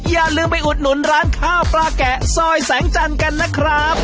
อย่าลืมไปอุดหนุนร้านข้าวปลาแกะซอยแสงจันทร์กันนะครับ